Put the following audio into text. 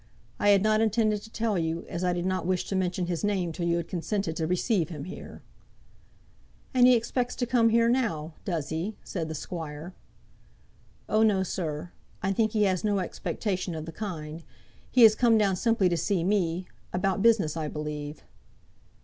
I had not intended to tell you, as I did not wish to mention his name till you had consented to receive him here." "And he expects to come here now; does he?" said the squire. "Oh, no, sir. I think he has no expectation of the kind. He has come down simply to see me; about business I believe."